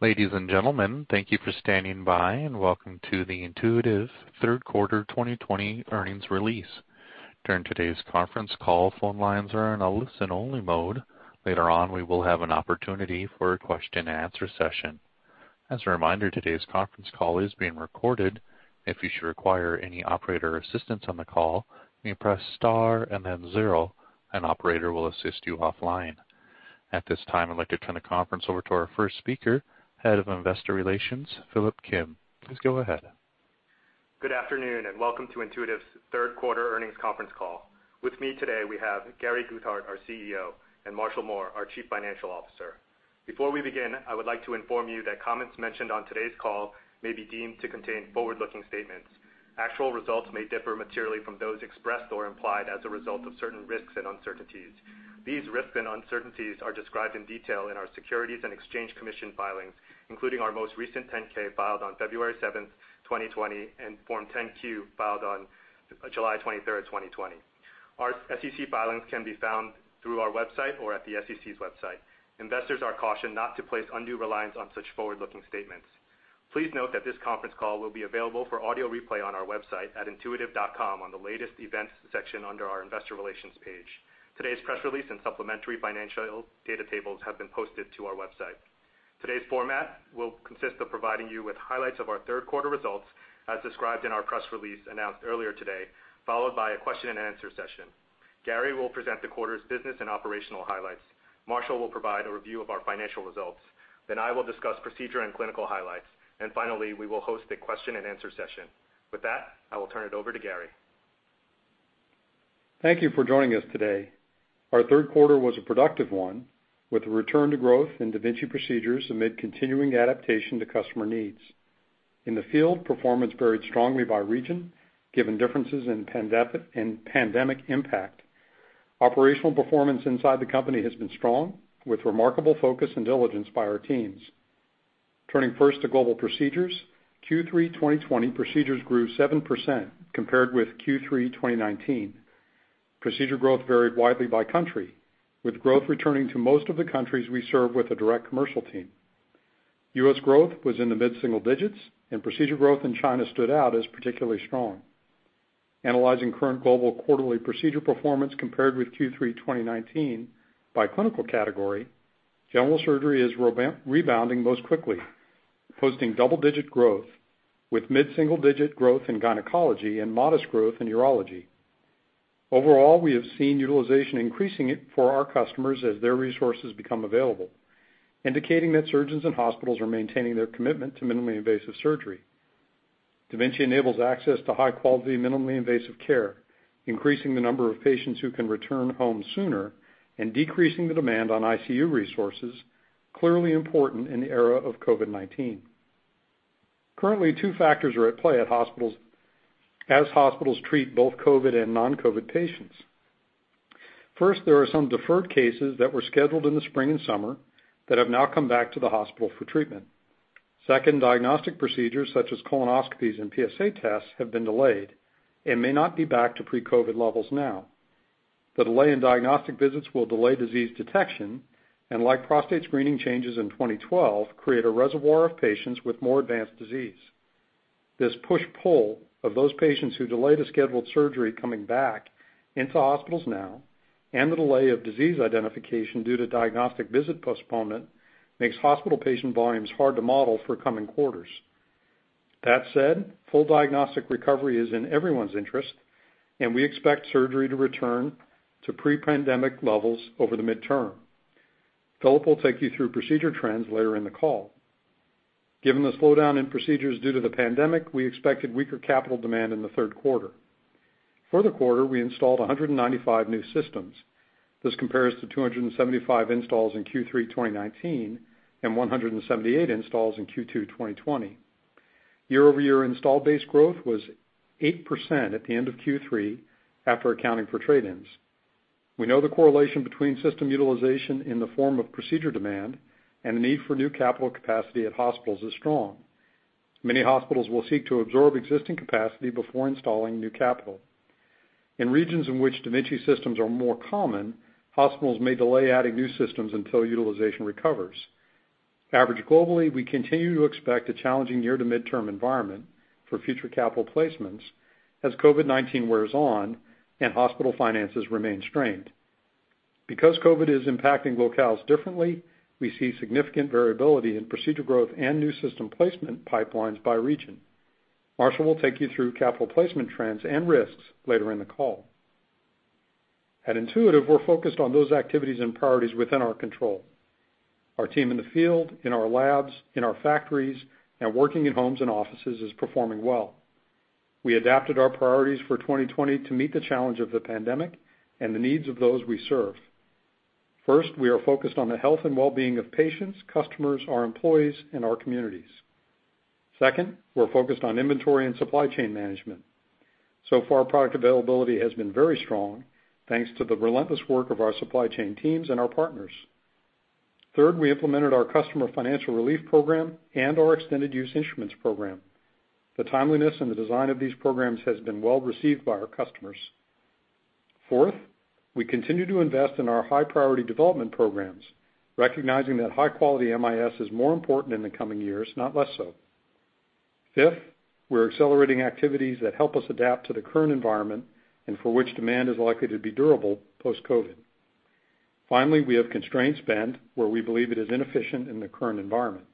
Ladies and gentlemen, thank you for standing by, and welcome to the Intuitive Third Quarter 2020 Earnings Release. During today's conference call, phone lines are in a listen-only mode. Later on, we will have an opportunity for a question-and-answer session. As a reminder, today's conference call is being recorded. If you should require any operator assistance on the call, you may press star and then zero, an operator will assist you offline. At this time, I'd like to turn the conference over to our first speaker, Head of Investor Relations, Philip Kim. Please go ahead. Good afternoon, and welcome to Intuitive's third quarter earnings conference call. With me today, we have Gary Guthart, our CEO, and Marshall Mohr, our Chief Financial Officer. Before we begin, I would like to inform you that comments mentioned on today's call may be deemed to contain forward-looking statements. Actual results may differ materially from those expressed or implied as a result of certain risks and uncertainties. These risks and uncertainties are described in detail in our Securities and Exchange Commission filings, including our most recent 10-K filed on February 7th, 2020, and Form 10-Q filed on July 23rd, 2020. Our SEC filings can be found through our website or at the SEC's website. Investors are cautioned not to place undue reliance on such forward-looking statements. Please note that this conference call will be available for audio replay on our website at intuitive.com on the latest events section under our investor relations page. Today's press release and supplementary financial data tables have been posted to our website. Today's format will consist of providing you with highlights of our third quarter results as described in our press release announced earlier today, followed by a question-and-answer session. Gary will present the quarter's business and operational highlights. Marshall will provide a review of our financial results. I will discuss procedure and clinical highlights. Finally, we will host a question and answer session. With that, I will turn it over to Gary. Thank you for joining us today. Our third quarter was a productive one, with a return to growth in da Vinci procedures amid continuing adaptation to customer needs. In the field, performance varied strongly by region, given differences in pandemic impact. Operational performance inside the company has been strong, with remarkable focus and diligence by our teams. Turning first to global procedures, Q3 2020 procedures grew 7% compared with Q3 2019. Procedure growth varied widely by country, with growth returning to most of the countries we serve with a direct commercial team. U.S. growth was in the mid-single digits, and procedure growth in China stood out as particularly strong. Analyzing current global quarterly procedure performance compared with Q3 2019 by clinical category, general surgery is rebounding most quickly, posting double-digit growth with mid-single-digit growth in gynecology and modest growth in urology. Overall, we have seen utilization increasing for our customers as their resources become available, indicating that surgeons and hospitals are maintaining their commitment to minimally invasive surgery. da Vinci enables access to high-quality, minimally invasive care, increasing the number of patients who can return home sooner and decreasing the demand on ICU resources, clearly important in the era of COVID-19. Currently, two factors are at play as hospitals treat both COVID and non-COVID patients. First, there are some deferred cases that were scheduled in the spring and summer that have now come back to the hospital for treatment. Second, diagnostic procedures such as colonoscopies and PSA tests have been delayed and may not be back to pre-COVID levels now. The delay in diagnostic visits will delay disease detection, and like prostate screening changes in 2012, create a reservoir of patients with more advanced disease. This push-pull of those patients who delayed a scheduled surgery coming back into hospitals now and the delay of disease identification due to diagnostic visit postponement makes hospital patient volumes hard to model for coming quarters. Full diagnostic recovery is in everyone's interest, and we expect surgery to return to pre-pandemic levels over the midterm. Philip will take you through procedure trends later in the call. Given the slowdown in procedures due to the pandemic, we expected weaker capital demand in the third quarter. For the quarter, we installed 195 new systems. This compares to 275 installs in Q3 2019 and 178 installs in Q2 2020. Year-over-year install base growth was 8% at the end of Q3 after accounting for trade-ins. We know the correlation between system utilization in the form of procedure demand and the need for new capital capacity at hospitals is strong. Many hospitals will seek to absorb existing capacity before installing new capital. In regions in which da Vinci systems are more common, hospitals may delay adding new systems until utilization recovers. Average globally, we continue to expect a challenging near to midterm environment for future capital placements as COVID-19 wears on and hospital finances remain strained. Because COVID is impacting locales differently, we see significant variability in procedure growth and new system placement pipelines by region. Marshall will take you through capital placement trends and risks later in the call. At Intuitive, we're focused on those activities and priorities within our control. Our team in the field, in our labs, in our factories, and working in homes and offices is performing well. We adapted our priorities for 2020 to meet the challenge of the pandemic and the needs of those we serve. First, we are focused on the health and well-being of patients, customers, our employees, and our communities. Second, we're focused on inventory and supply chain management. So far, product availability has been very strong thanks to the relentless work of our supply chain teams and our partners. Third, we implemented our customer financial relief program and our extended use instruments program. The timeliness and the design of these programs has been well-received by our customers. Fourth, we continue to invest in our high-priority development programs, recognizing that high-quality MIS is more important in the coming years, not less so. Fifth, we're accelerating activities that help us adapt to the current environment and for which demand is likely to be durable post-COVID. Finally, we have constrained spend where we believe it is inefficient in the current environment.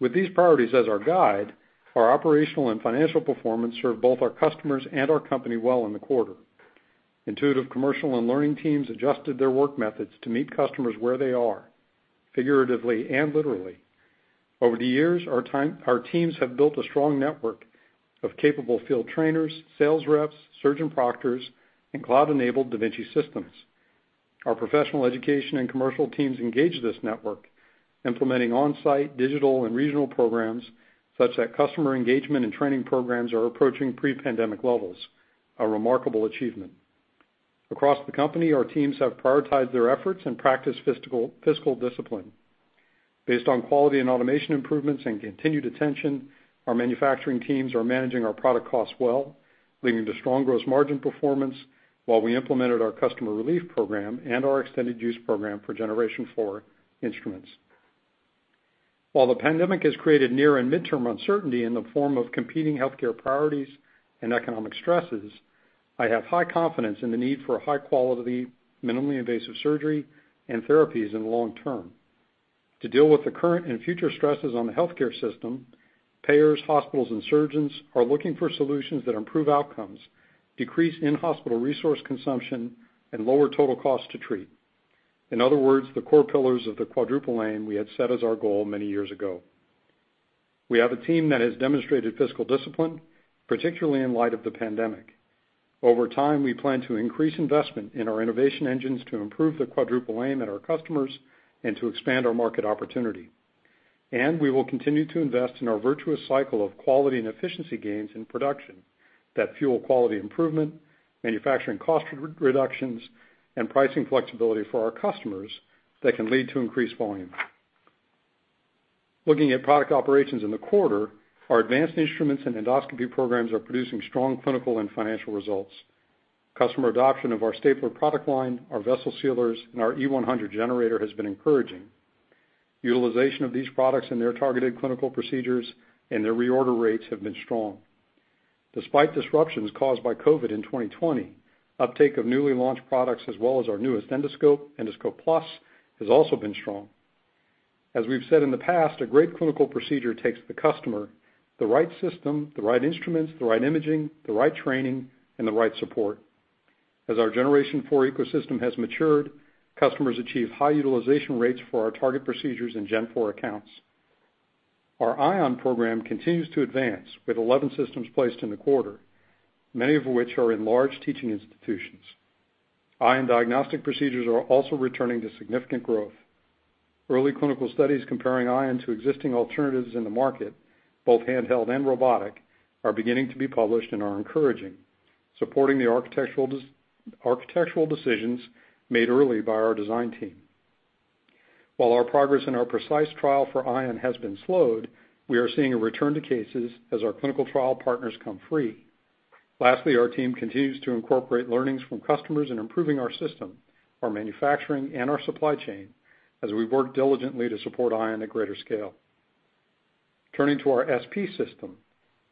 With these priorities as our guide, our operational and financial performance served both our customers and our company well in the quarter. Intuitive commercial and learning teams adjusted their work methods to meet customers where they are, figuratively and literally. Over the years, our teams have built a strong network of capable field trainers, sales reps, surgeon proctors, and cloud-enabled da Vinci systems. Our professional education and commercial teams engage this network, implementing on-site, digital, and regional programs, such that customer engagement and training programs are approaching pre-pandemic levels, a remarkable achievement. Across the company, our teams have prioritized their efforts and practice fiscal discipline. Based on quality and automation improvements and continued attention, our manufacturing teams are managing our product costs well, leading to strong gross margin performance while we implemented our customer relief program and our extended use program for Generation 4 instruments. While the pandemic has created near and midterm uncertainty in the form of competing healthcare priorities and economic stresses, I have high confidence in the need for high-quality, minimally invasive surgery and therapies in the long term. To deal with the current and future stresses on the healthcare system, payers, hospitals, and surgeons are looking for solutions that improve outcomes, decrease in-hospital resource consumption, and lower total cost to treat. In other words, the core pillars of the Quadruple Aim we had set as our goal many years ago. We have a team that has demonstrated fiscal discipline, particularly in light of the pandemic. Over time, we plan to increase investment in our innovation engines to improve the Quadruple Aim at our customers and to expand our market opportunity. We will continue to invest in our virtuous cycle of quality and efficiency gains in production that fuel quality improvement, manufacturing cost reductions, and pricing flexibility for our customers that can lead to increased volume. Looking at product operations in the quarter, our advanced instruments and endoscopy programs are producing strong clinical and financial results. Customer adoption of our stapler product line, our vessel sealers, and our E-100 generator has been encouraging. Utilization of these products in their targeted clinical procedures and their reorder rates have been strong. Despite disruptions caused by COVID in 2020, uptake of newly launched products as well as our newest endoscope, Endoscope Plus, has also been strong. As we've said in the past, a great clinical procedure takes the customer, the right system, the right instruments, the right imaging, the right training, and the right support. As our Generation 4 ecosystem has matured, customers achieve high utilization rates for our target procedures in Gen 4 accounts. Our Ion program continues to advance with 11 systems placed in the quarter, many of which are in large teaching institutions. Ion diagnostic procedures are also returning to significant growth. Early clinical studies comparing Ion to existing alternatives in the market, both handheld and robotic, are beginning to be published and are encouraging, supporting the architectural decisions made early by our design team. While our progress in our PRECIsE trial for Ion has been slowed, we are seeing a return to cases as our clinical trial partners come free. Lastly, our team continues to incorporate learnings from customers in improving our system, our manufacturing, and our supply chain as we work diligently to support Ion at greater scale. Turning to our SP system,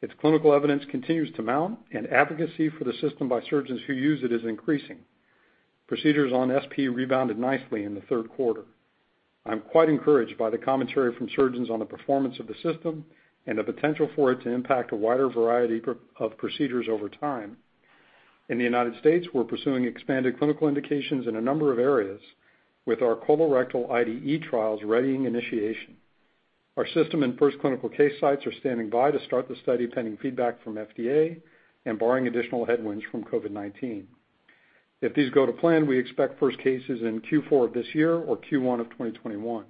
its clinical evidence continues to mount, and advocacy for the system by surgeons who use it is increasing. Procedures on SP rebounded nicely in the third quarter. I'm quite encouraged by the commentary from surgeons on the performance of the system and the potential for it to impact a wider variety of procedures over time. In the United States, we're pursuing expanded clinical indications in a number of areas with our colorectal IDE trials readying initiation. Our system and first clinical case sites are standing by to start the study pending feedback from FDA and barring additional headwinds from COVID-19. If these go to plan, we expect first cases in Q4 of this year or Q1 of 2021.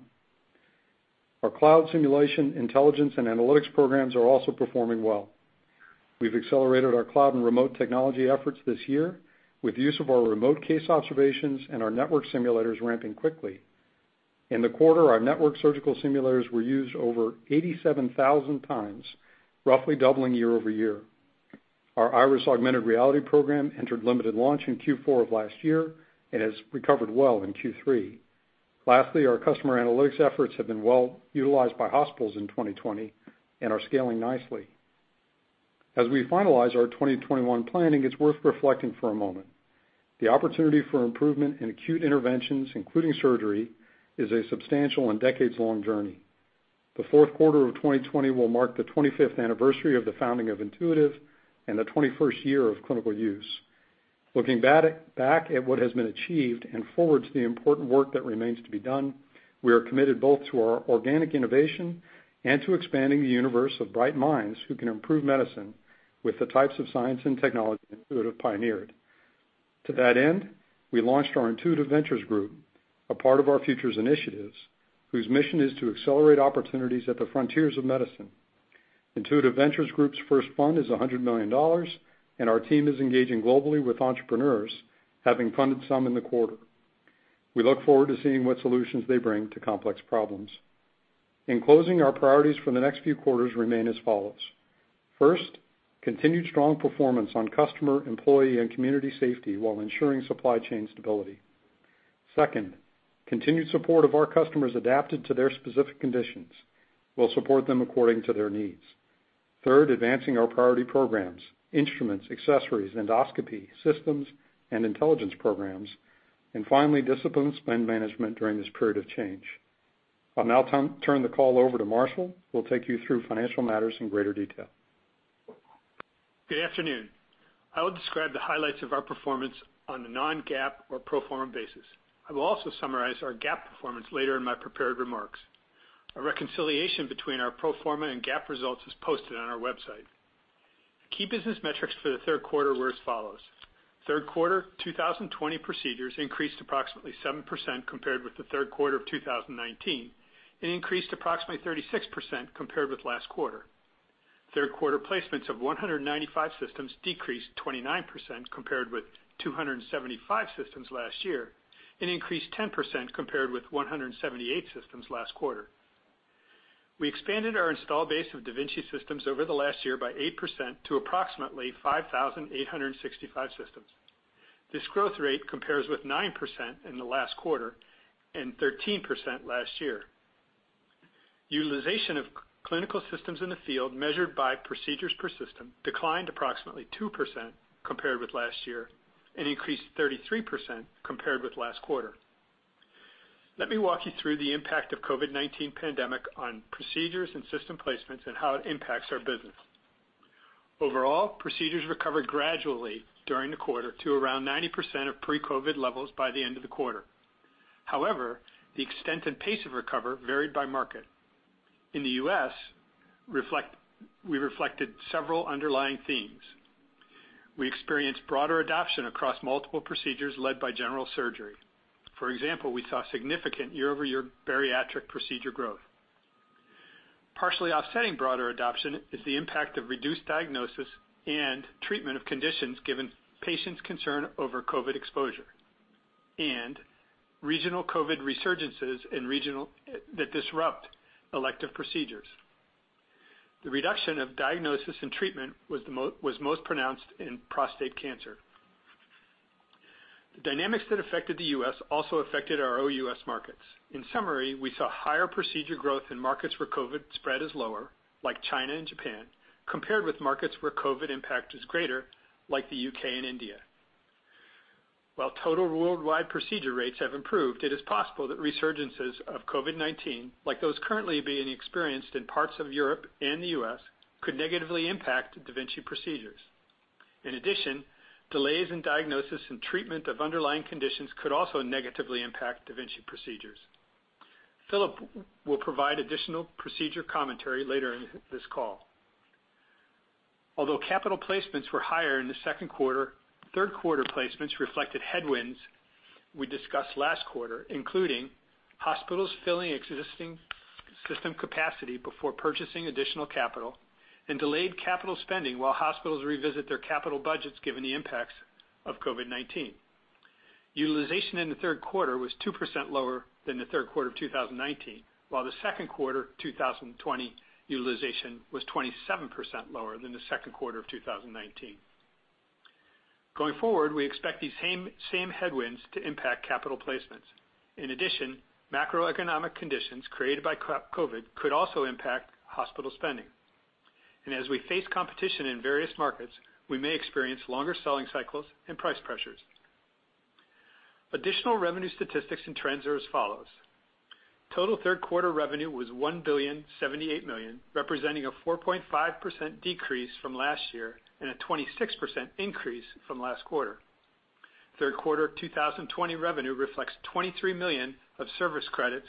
Our cloud simulation intelligence and analytics programs are also performing well. We've accelerated our cloud and remote technology efforts this year with use of our remote case observations and our network simulators ramping quickly. In the quarter, our network surgical simulators were used over 87,000 times, roughly doubling year-over-year. Our IRIS augmented reality program entered limited launch in Q4 of last year and has recovered well in Q3. Lastly, our customer analytics efforts have been well-utilized by hospitals in 2020 and are scaling nicely. As we finalize our 2021 planning, it's worth reflecting for a moment. The opportunity for improvement in acute interventions, including surgery, is a substantial and decades-long journey. The fourth quarter of 2020 will mark the 25th anniversary of the founding of Intuitive and the 21st year of clinical use. Looking back at what has been achieved and forward to the important work that remains to be done, we are committed both to our organic innovation and to expanding the universe of bright minds who can improve medicine with the types of science and technology Intuitive pioneered. To that end, we launched our Intuitive Ventures group, a part of our Futures initiatives, whose mission is to accelerate opportunities at the frontiers of medicine. Intuitive Ventures Group's first fund is $100 million, and our team is engaging globally with entrepreneurs, having funded some in the quarter. We look forward to seeing what solutions they bring to complex problems. In closing, our priorities for the next few quarters remain as follows. First, continued strong performance on customer, employee, and community safety while ensuring supply chain stability. Second, continued support of our customers adapted to their specific conditions. We'll support them according to their needs. Third, advancing our priority programs, instruments, accessories, endoscopy, systems, and intelligence programs. Finally, disciplined spend management during this period of change. I'll now turn the call over to Marshall, who will take you through financial matters in greater detail. Good afternoon. I will describe the highlights of our performance on a non-GAAP or pro forma basis. I will also summarize our GAAP performance later in my prepared remarks. A reconciliation between our pro forma and GAAP results is posted on our website. Key business metrics for the third quarter were as follows. Third quarter 2020 procedures increased approximately 7% compared with the third quarter of 2019, and increased approximately 36% compared with last quarter. Third quarter placements of 195 systems decreased 29% compared with 275 systems last year, and increased 10% compared with 178 systems last quarter. We expanded our install base of da Vinci systems over the last year by 8% to approximately 5,865 systems. This growth rate compares with 9% in the last quarter and 13% last year. Utilization of clinical systems in the field measured by procedures per system declined approximately 2% compared with last year, and increased 33% compared with last quarter. Let me walk you through the impact of COVID-19 pandemic on procedures and system placements and how it impacts our business. Overall, procedures recovered gradually during the quarter to around 90% of pre-COVID levels by the end of the quarter. However, the extent and pace of recovery varied by market. In the U.S., we reflected several underlying themes. We experienced broader adoption across multiple procedures led by general surgery. For example, we saw significant year-over-year bariatric procedure growth. Partially offsetting broader adoption is the impact of reduced diagnosis and treatment of conditions given patients' concern over COVID exposure and regional COVID resurgences that disrupt elective procedures. The reduction of diagnosis and treatment was most pronounced in prostate cancer. The dynamics that affected the U.S. also affected our OUS markets. In summary, we saw higher procedure growth in markets where COVID spread is lower, like China and Japan, compared with markets where COVID impact is greater, like the U.K. and India. While total worldwide procedure rates have improved, it is possible that resurgences of COVID-19, like those currently being experienced in parts of Europe and the U.S., could negatively impact da Vinci procedures. In addition, delays in diagnosis and treatment of underlying conditions could also negatively impact da Vinci procedures. Philip will provide additional procedure commentary later in this call. Although capital placements were higher in the second quarter, third quarter placements reflected headwinds we discussed last quarter, including hospitals filling existing system capacity before purchasing additional capital and delayed capital spending while hospitals revisit their capital budgets given the impacts of COVID-19. Utilization in the third quarter was 2% lower than the third quarter of 2019, while the second quarter 2020 utilization was 27% lower than the second quarter of 2019. Going forward, we expect these same headwinds to impact capital placements. In addition, macroeconomic conditions created by COVID could also impact hospital spending. As we face competition in various markets, we may experience longer selling cycles and price pressures. Additional revenue statistics and trends are as follows. Total third quarter revenue was $1.078 billion, representing a 4.5% decrease from last year and a 26% increase from last quarter. Third quarter 2020 revenue reflects $23 million of service credits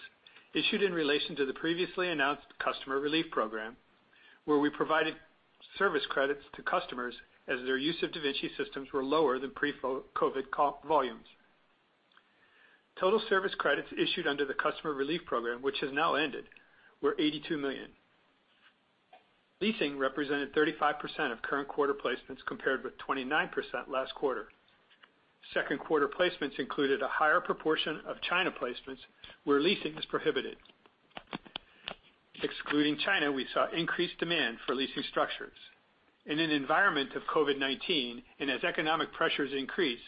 issued in relation to the previously announced customer relief program, where we provided service credits to customers as their use of da Vinci systems were lower than pre-COVID volumes. Total service credits issued under the customer relief program, which has now ended, were $82 million. Leasing represented 35% of current quarter placements, compared with 29% last quarter. Second quarter placements included a higher proportion of China placements where leasing is prohibited. Excluding China, we saw increased demand for leasing structures. In an environment of COVID-19 and as economic pressures increase,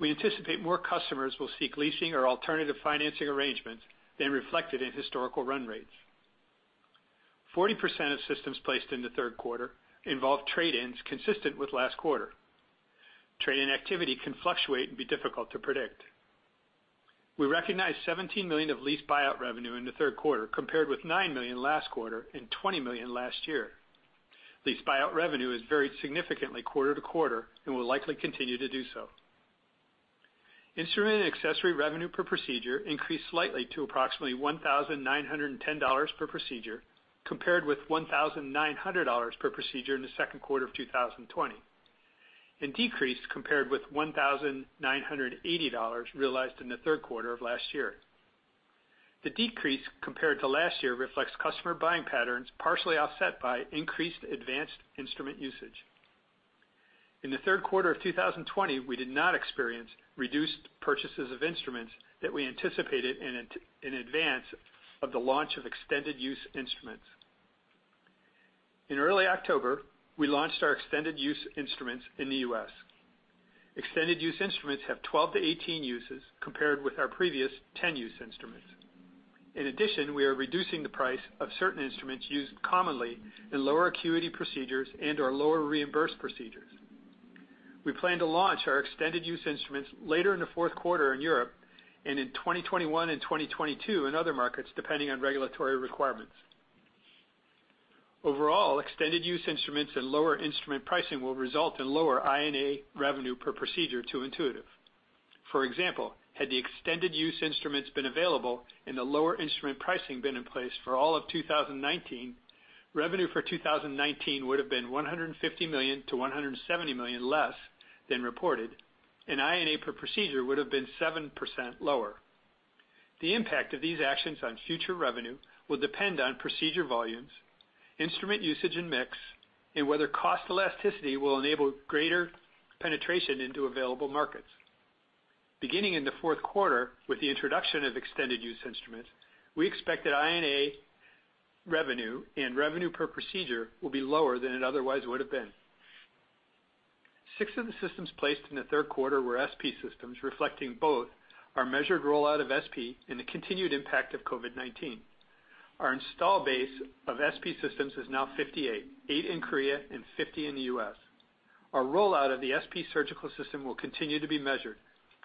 we anticipate more customers will seek leasing or alternative financing arrangements than reflected in historical run rates. 40% of systems placed in the third quarter involved trade-ins consistent with last quarter. Trade-in activity can fluctuate and be difficult to predict. We recognized $17 million of lease buyout revenue in the third quarter, compared with $9 million last quarter and $20 million last year. Lease buyout revenue has varied significantly quarter to quarter and will likely continue to do so. Instrument and accessory revenue per procedure increased slightly to approximately $1,910 per procedure, compared with $1,900 per procedure in the second quarter of 2020, and decreased compared with $1,980 realized in the third quarter of last year. The decrease compared to last year reflects customer buying patterns partially offset by increased advanced instrument usage. In the third quarter of 2020, we did not experience reduced purchases of instruments that we anticipated in advance of the launch of extended use instruments. In early October, we launched our extended use instruments in the U.S. Extended use instruments have 12-18 uses compared with our previous 10-use instruments. In addition, we are reducing the price of certain instruments used commonly in lower acuity procedures and/or lower reimbursed procedures. We plan to launch our extended use instruments later in the fourth quarter in Europe and in 2021 and 2022 in other markets, depending on regulatory requirements. Overall, extended use instruments and lower instrument pricing will result in lower I&A revenue per procedure to Intuitive. For example, had the extended use instruments been available and the lower instrument pricing been in place for all of 2019, revenue for 2019 would've been $150 million-$170 million less than reported, and I&A per procedure would've been 7% lower. The impact of these actions on future revenue will depend on procedure volumes, instrument usage, and mix, and whether cost elasticity will enable greater penetration into available markets. Beginning in the fourth quarter with the introduction of extended use instruments, we expect that I&A revenue and revenue per procedure will be lower than it otherwise would've been. Six of the systems placed in the third quarter were SP systems, reflecting both our measured rollout of SP and the continued impact of COVID-19. Our install base of SP systems is now 58, eight in Korea and 50 in the U.S. Our rollout of the SP surgical system will continue to be measured,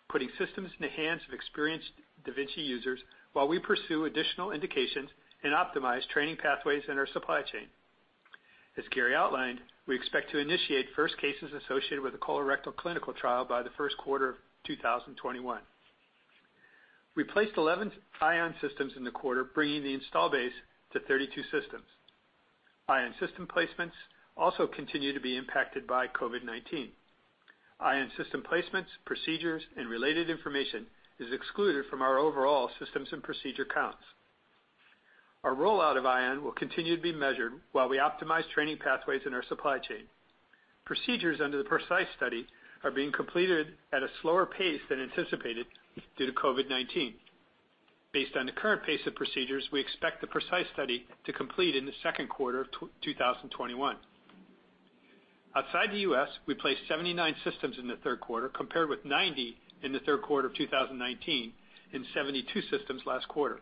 putting systems in the hands of experienced da Vinci users while we pursue additional indications and optimize training pathways in our supply chain. As Gary outlined, we expect to initiate first cases associated with the colorectal clinical trial by the first quarter of 2021. We placed 11 Ion systems in the quarter, bringing the install base to 32 systems. Ion system placements also continue to be impacted by COVID-19. Ion system placements, procedures, and related information is excluded from our overall systems and procedure counts. Our rollout of Ion will continue to be measured while we optimize training pathways in our supply chain. Procedures under the PRECIsE study are being completed at a slower pace than anticipated due to COVID-19. Based on the current pace of procedures, we expect the PRECIsE study to complete in the second quarter of 2021. Outside the U.S., we placed 79 systems in the third quarter, compared with 90 in the third quarter of 2019 and 72 systems last quarter.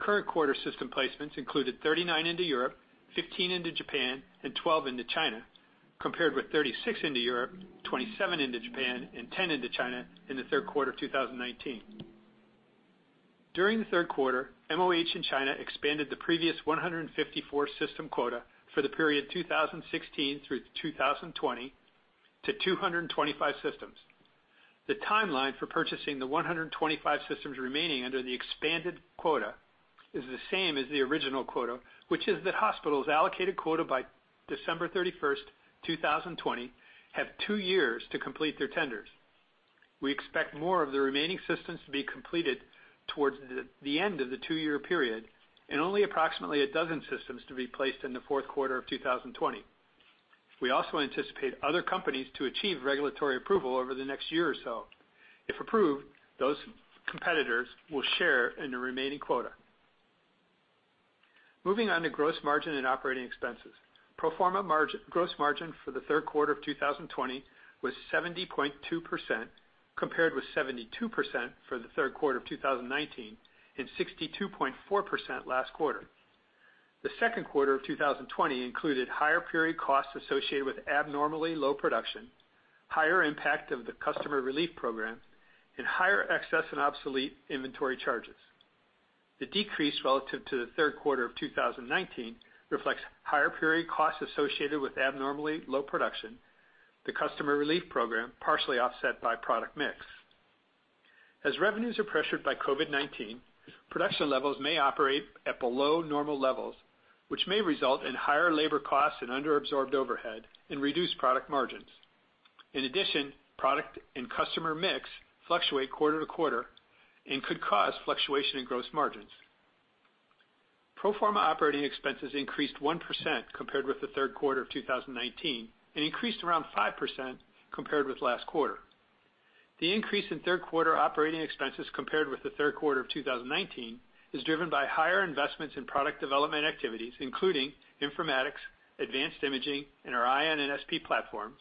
Current quarter system placements included 39 into Europe, 15 into Japan, and 12 into China, compared with 36 into Europe, 27 into Japan, and 10 into China in the third quarter of 2019. During the third quarter, MOH in China expanded the previous 154 system quota for the period 2016 through 2020 to 225 systems. The timeline for purchasing the 125 systems remaining under the expanded quota is the same as the original quota, which is that hospitals allocated quota by December 31st, 2020, have two years to complete their tenders. We expect more of the remaining systems to be completed towards the end of the two-year period and only approximately a dozen systems to be placed in the fourth quarter of 2020. We also anticipate other companies to achieve regulatory approval over the next year or so. If approved, those competitors will share in the remaining quota. Moving on to gross margin and operating expenses. Pro forma gross margin for the third quarter of 2020 was 70.2%, compared with 72% for the third quarter of 2019 and 62.4% last quarter. The second quarter of 2020 included higher period costs associated with abnormally low production, higher impact of the customer relief program, and higher excess and obsolete inventory charges. The decrease relative to the third quarter of 2019 reflects higher period costs associated with abnormally low production, the customer relief program partially offset by product mix. As revenues are pressured by COVID-19, production levels may operate at below normal levels, which may result in higher labor costs and under-absorbed overhead and reduced product margins. In addition, product and customer mix fluctuate quarter to quarter and could cause fluctuation in gross margins. Pro forma operating expenses increased 1% compared with the third quarter of 2019 and increased around 5% compared with last quarter. The increase in third quarter operating expenses compared with the third quarter of 2019 is driven by higher investments in product development activities, including informatics, advanced imaging, and our Ion and SP platforms,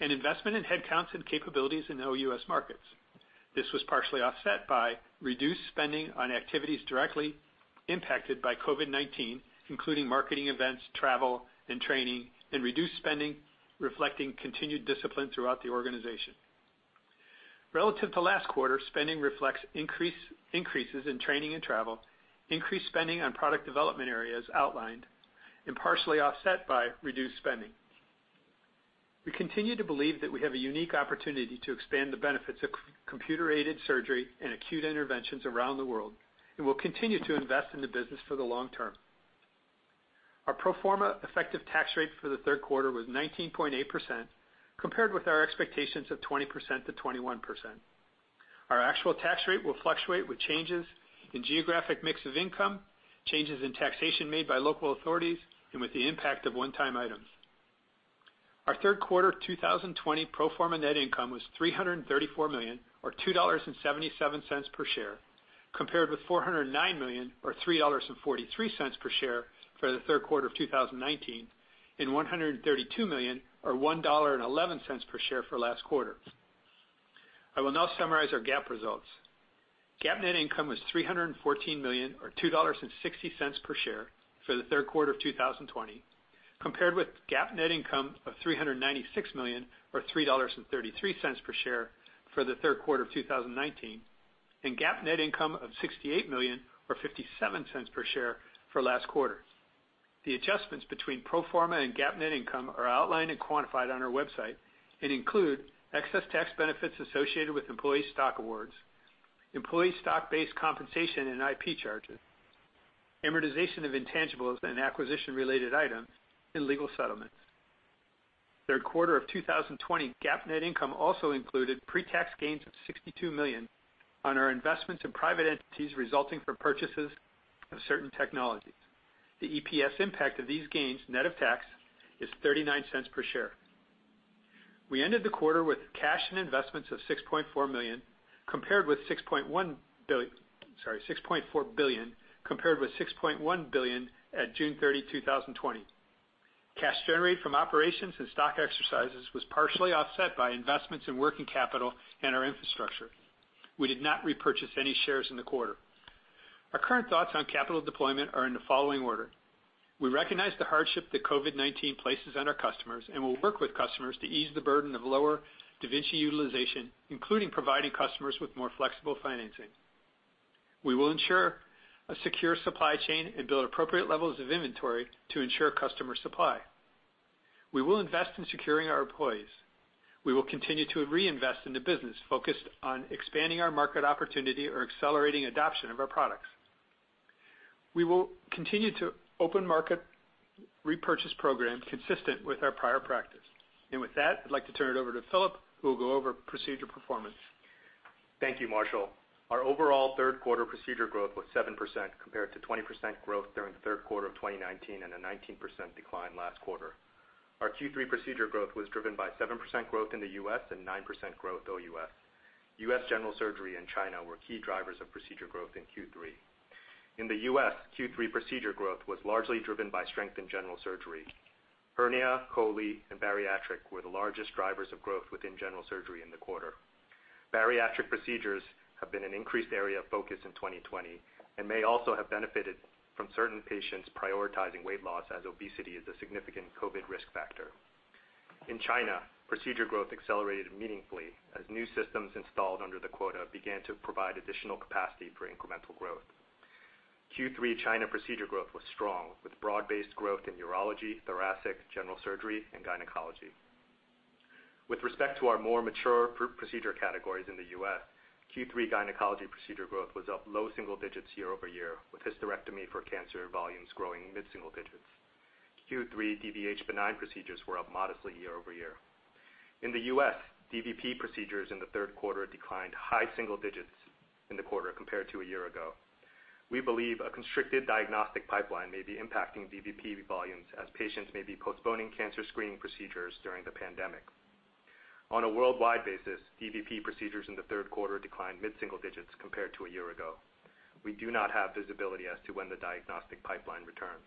and investment in headcounts and capabilities in OUS markets. This was partially offset by reduced spending on activities directly impacted by COVID-19, including marketing events, travel, and training, and reduced spending reflecting continued discipline throughout the organization. Relative to last quarter, spending reflects increases in training and travel, increased spending on product development areas outlined and partially offset by reduced spending. We continue to believe that we have a unique opportunity to expand the benefits of computer-aided surgery and acute interventions around the world and will continue to invest in the business for the long term. Our pro forma effective tax rate for the third quarter was 19.8%, compared with our expectations of 20%-21%. Our actual tax rate will fluctuate with changes in geographic mix of income, changes in taxation made by local authorities, and with the impact of one-time items. Our third quarter 2020 pro forma net income was $334 million, or $2.77 per share, compared with $409 million or $3.43 per share for the third quarter of 2019, and $132 million or $1.11 per share for last quarter. I will now summarize our GAAP results. GAAP net income was $314 million or $2.60 per share for the third quarter of 2020, compared with GAAP net income of $396 million or $3.33 per share for the third quarter of 2019, and GAAP net income of $68 million or $0.57 per share for last quarter. The adjustments between pro forma and GAAP net income are outlined and quantified on our website and include excess tax benefits associated with employee stock awards, employee stock-based compensation and IP charges, amortization of intangibles and acquisition-related items and legal settlements. Third quarter of 2020 GAAP net income also included pre-tax gains of $62 million on our investments in private entities resulting from purchases of certain technologies. The EPS impact of these gains, net of tax, is $0.39 per share. We ended the quarter with cash and investments of $6.4 billion compared with $6.1 billion at June 30, 2020. Cash generated from operations and stock exercises was partially offset by investments in working capital and our infrastructure. We did not repurchase any shares in the quarter. Our current thoughts on capital deployment are in the following order. We recognize the hardship that COVID-19 places on our customers and will work with customers to ease the burden of lower da Vinci utilization, including providing customers with more flexible financing. We will ensure a secure supply chain and build appropriate levels of inventory to ensure customer supply. We will invest in securing our employees. We will continue to reinvest in the business focused on expanding our market opportunity or accelerating adoption of our products. We will continue to open market repurchase programs consistent with our prior practice. With that, I'd like to turn it over to Philip, who will go over procedure performance. Thank you, Marshall. Our overall third quarter procedure growth was 7% compared to 20% growth during the third quarter of 2019 and a 19% decline last quarter. Our Q3 procedure growth was driven by 7% growth in the U.S. and 9% growth OUS. U.S. general surgery and China were key drivers of procedure growth in Q3. In the U.S., Q3 procedure growth was largely driven by strength in general surgery. Hernia, chole, and bariatric were the largest drivers of growth within general surgery in the quarter. Bariatric procedures have been an increased area of focus in 2020 and may also have benefited from certain patients prioritizing weight loss as obesity is a significant COVID-19 risk factor. In China, procedure growth accelerated meaningfully as new systems installed under the quota began to provide additional capacity for incremental growth. Q3 China procedure growth was strong, with broad-based growth in urology, thoracic, general surgery and gynecology. With respect to our more mature procedure categories in the U.S., Q3 gynecology procedure growth was up low-single digits year-over-year, with hysterectomy for cancer volumes growing mid-single digits. Q3 dVH benign procedures were up modestly year-over-year. In the U.S., dVP procedures in the third quarter declined high-single digits in the quarter compared to a year ago. We believe a constricted diagnostic pipeline may be impacting dVP volumes as patients may be postponing cancer screening procedures during the pandemic. On a worldwide basis, dVP procedures in the third quarter declined mid-single digits compared to a year ago. We do not have visibility as to when the diagnostic pipeline returns.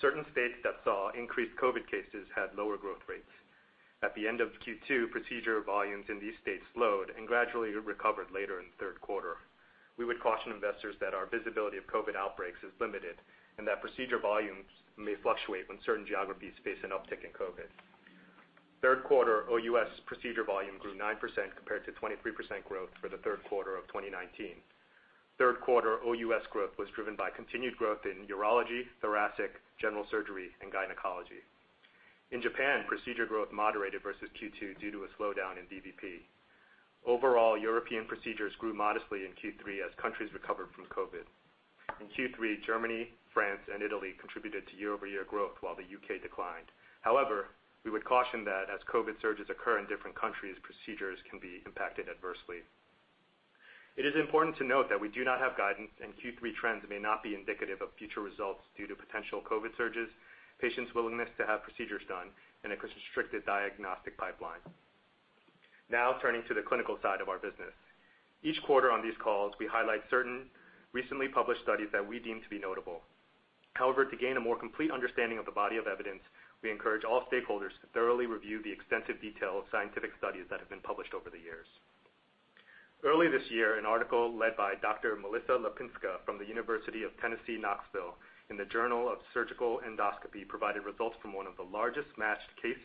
Certain states that saw increased COVID-19 cases had lower growth rates. At the end of Q2, procedure volumes in these states slowed and gradually recovered later in the third quarter. We would caution investors that our visibility of COVID outbreaks is limited and that procedure volumes may fluctuate when certain geographies face an uptick in COVID. Third quarter OUS procedure volume grew 9% compared to 23% growth for the third quarter of 2019. Third quarter OUS growth was driven by continued growth in urology, thoracic, general surgery and gynecology. In Japan, procedure growth moderated versus Q2 due to a slowdown in dVP. Overall, European procedures grew modestly in Q3 as countries recovered from COVID. In Q3, Germany, France and Italy contributed to year-over-year growth while the U.K. declined. However, we would caution that as COVID surges occur in different countries, procedures can be impacted adversely. It is important to note that we do not have guidance. Q3 trends may not be indicative of future results due to potential COVID-19 surges, patients' willingness to have procedures done, and a constricted diagnostic pipeline. Turning to the clinical side of our business. Each quarter on these calls, we highlight certain recently published studies that we deem to be notable. To gain a more complete understanding of the body of evidence, we encourage all stakeholders to thoroughly review the extensive detail of scientific studies that have been published over the years. Early this year, an article led by Dr. Melissa LaPinska from the University of Tennessee, Knoxville in the "Journal of Surgical Endoscopy" provided results from one of the largest matched case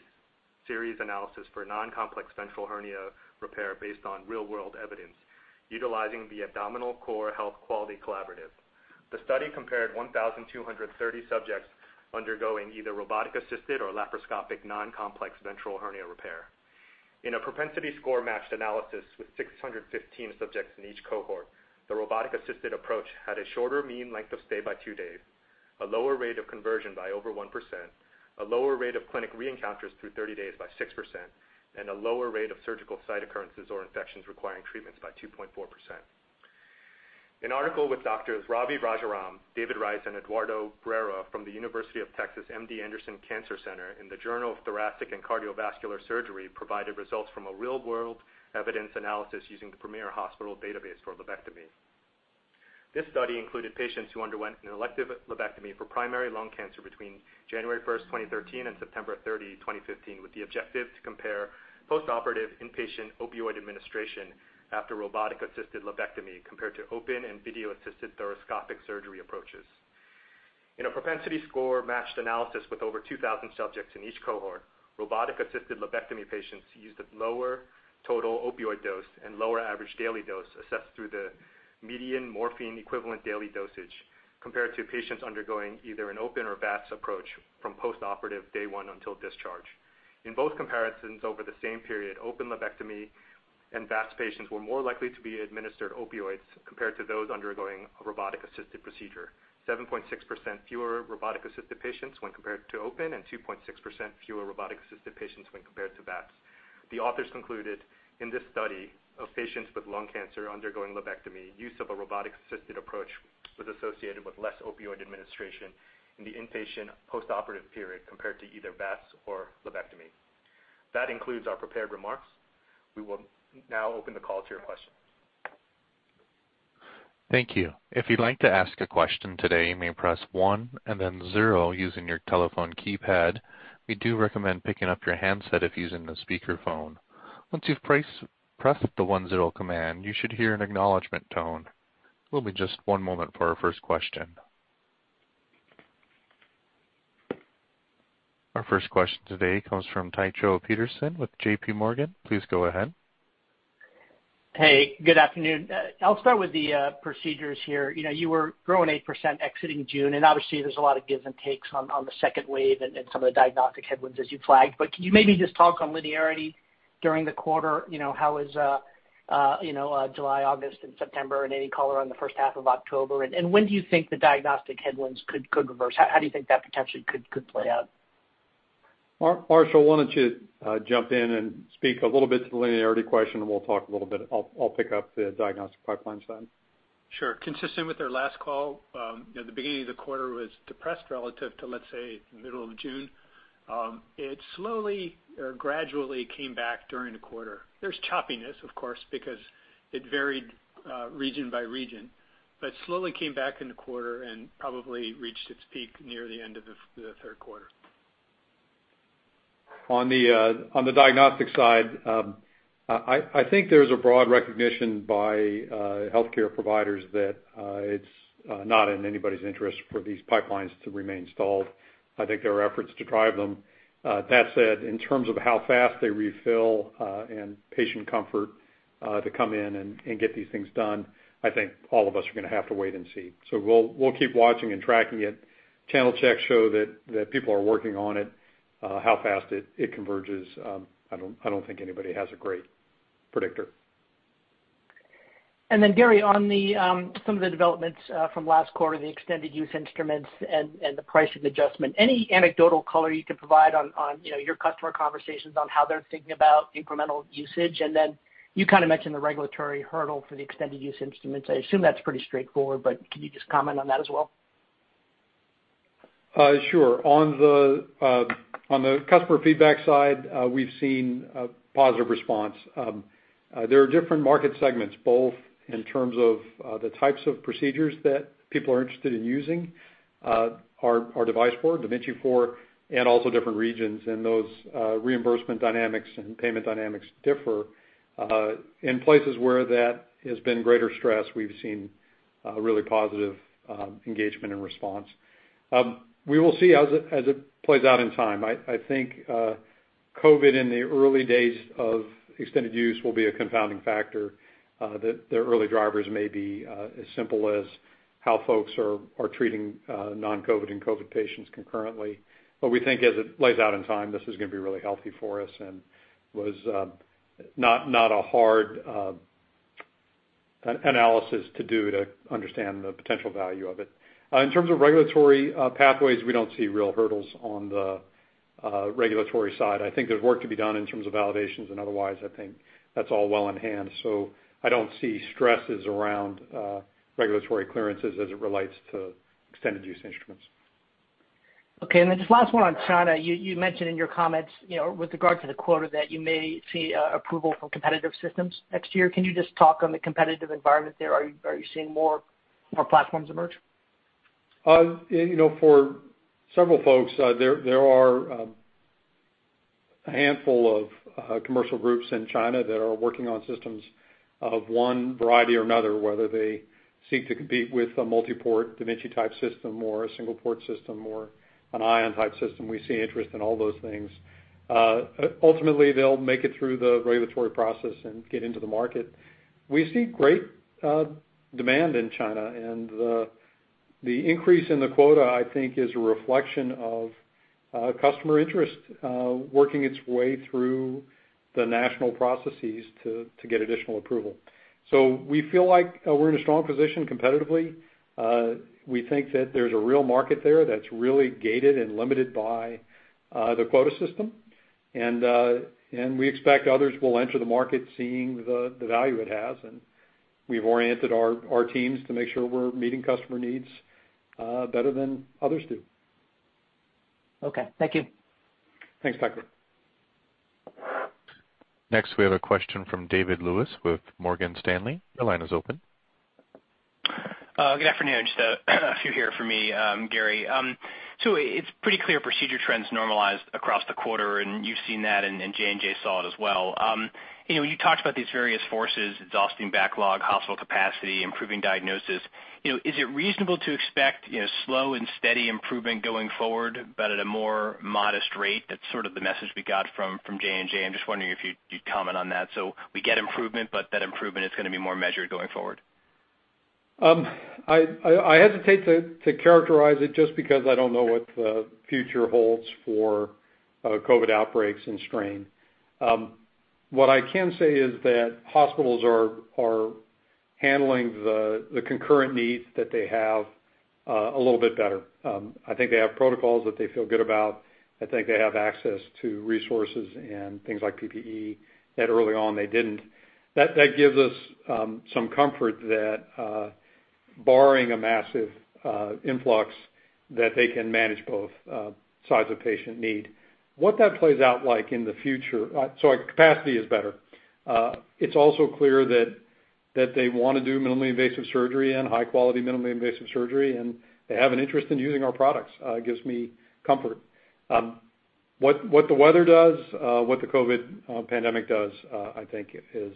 series analysis for non-complex ventral hernia repair based on real-world evidence utilizing the Abdominal Core Health Quality Collaborative. The study compared 1,230 subjects undergoing either robotic-assisted or laparoscopic non-complex ventral hernia repair. In a propensity score-matched analysis with 615 subjects in each cohort, the robotic-assisted approach had a shorter mean length of stay by two days. A lower rate of conversion by over 1%, a lower rate of clinic re-encounters through 30 days by 6%, and a lower rate of surgical site occurrences or infections requiring treatments by 2.4%. An article with Drs. Ravi Rajaram, David Rice, and Eduardo Guerra from the University of Texas MD Anderson Cancer Center in the Journal of Thoracic and Cardiovascular Surgery provided results from a real-world evidence analysis using the Premier Healthcare Database for lobectomy. This study included patients who underwent an elective lobectomy for primary lung cancer between January 1st, 2013, and September 30th, 2015, with the objective to compare postoperative inpatient opioid administration after robotic-assisted lobectomy compared to open and video-assisted thoracoscopic surgery approaches. In a propensity score-matched analysis with over 2,000 subjects in each cohort, robotic-assisted lobectomy patients used a lower total opioid dose and lower average daily dose assessed through the median morphine equivalent daily dosage compared to patients undergoing either an open or VATS approach from postoperative day one until discharge. In both comparisons over the same period, open lobectomy and VATS patients were more likely to be administered opioids compared to those undergoing a robotic-assisted procedure, 7.6% fewer robotic-assisted patients when compared to open and 2.6% fewer robotic-assisted patients when compared to VATS. The authors concluded in this study of patients with lung cancer undergoing lobectomy, use of a robotic-assisted approach was associated with less opioid administration in the inpatient postoperative period compared to either VATS or lobectomy. That includes our prepared remarks. We will now open the call to your questions. Thank you. If you'd like to ask a question today, you may press one and then zero using your telephone keypad. We do recommend picking up your handset if using the speakerphone. Once you've pressed the one-zero command, you should hear an acknowledgment tone. We'll be just one moment for our first question. Our first question today comes from Tycho Peterson with JPMorgan. Please go ahead. Hey, good afternoon. I'll start with the procedures here. You were growing 8% exiting June, obviously, there's a lot of gives and takes on the second wave and some of the diagnostic headwinds as you flagged. Can you maybe just talk on linearity during the quarter? How was July, August, and September, any color on the first half of October? When do you think the diagnostic headwinds could reverse? How do you think that potentially could play out? Marshall, why don't you jump in and speak a little bit to the linearity question, and we'll talk a little bit. I'll pick up the diagnostic pipelines then. Sure. Consistent with our last call, the beginning of the quarter was depressed relative to, let's say, the middle of June. It slowly or gradually came back during the quarter. There's choppiness, of course, because it varied region by region, slowly came back in the quarter and probably reached its peak near the end of the third quarter. On the diagnostic side, I think there's a broad recognition by healthcare providers that it's not in anybody's interest for these pipelines to remain stalled. I think there are efforts to drive them. That said, in terms of how fast they refill and patient comfort to come in and get these things done, I think all of us are going to have to wait and see. We'll keep watching and tracking it. Channel checks show that people are working on it. How fast it converges, I don't think anybody has a great predictor. Gary, on some of the developments from last quarter, the extended use instruments and the pricing adjustment, any anecdotal color you can provide on your customer conversations on how they're thinking about incremental usage? You kind of mentioned the regulatory hurdle for the extended use instruments. I assume that's pretty straightforward, can you just comment on that as well? Sure. On the customer feedback side, we've seen a positive response. There are different market segments, both in terms of the types of procedures that people are interested in using our device for, da Vinci for, and also different regions. Those reimbursement dynamics and payment dynamics differ. In places where that has been greater stress, we've seen a really positive engagement and response. We will see as it plays out in time. I think COVID in the early days of extended use will be a confounding factor, that the early drivers may be as simple as how folks are treating non-COVID and COVID patients concurrently. We think as it plays out in time, this is going to be really healthy for us and was not a hard analysis to do to understand the potential value of it. In terms of regulatory pathways, we don't see real hurdles on the regulatory side. I think there's work to be done in terms of validations and otherwise, I think that's all well in hand. I don't see stresses around regulatory clearances as it relates to extended use instruments. Okay, just last one on China. You mentioned in your comments with regard to the quota that you may see approval from competitive systems next year. Can you just talk on the competitive environment there? Are you seeing more platforms emerge? For several folks, there are a handful of commercial groups in China that are working on systems of one variety or another, whether they seek to compete with a multi-port da Vinci type system or a single port system or an Ion type system. We see interest in all those things. Ultimately, they'll make it through the regulatory process and get into the market. We see great demand in China, and the increase in the quota, I think, is a reflection of our customer interest working its way through the national processes to get additional approval. We feel like we're in a strong position competitively. We think that there's a real market there that's really gated and limited by the quota system. We expect others will enter the market, seeing the value it has, and we've oriented our teams to make sure we're meeting customer needs better than others do. Okay. Thank you. Thanks, Tycho. Next, we have a question from David Lewis with Morgan Stanley. Your line is open. Good afternoon. Just a few here from me, Gary. It's pretty clear procedure trends normalized across the quarter, and you've seen that, and J&J saw it as well. You talked about these various forces, exhausting backlog, hospital capacity, improving diagnosis. Is it reasonable to expect slow and steady improvement going forward, but at a more modest rate? That's sort of the message we got from J&J. I'm just wondering if you'd comment on that. We get improvement, but that improvement is going to be more measured going forward. I hesitate to characterize it just because I don't know what the future holds for COVID outbreaks and strain. What I can say is that hospitals are handling the concurrent needs that they have a little bit better. I think they have protocols that they feel good about. I think they have access to resources and things like PPE, that early on they didn't. That gives us some comfort that, barring a massive influx, that they can manage both sides of patient need, what that plays out like in the future. Our capacity is better. It's also clear that they want to do minimally invasive surgery and high-quality minimally invasive surgery, and they have an interest in using our products. It gives me comfort. What the weather does, what the COVID pandemic does, I think is